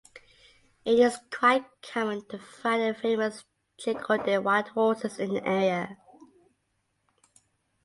It is quite common to find the famous Chilcotin wild horses in the area.